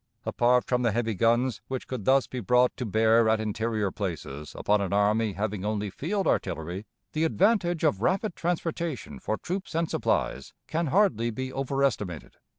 Apart from the heavy guns which could thus be brought to bear at interior places upon an army having only field artillery, the advantage of rapid transportation for troops and supplies can hardly be over estimated.